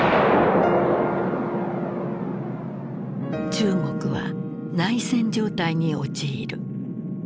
中国は内戦状態に陥る。